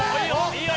いいよ！